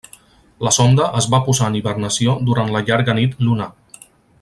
La sonda es va posar en hibernació durant la llarga nit lunar.